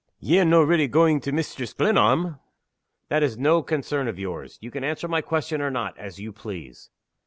"Ye're no' reely going to Mistress Glenarm?" "That is no concern of yours. You can answer my question or not, as you please."